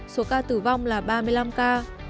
số ca tử vong là ba mươi năm ca